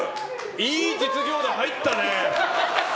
いい実業団入ったね。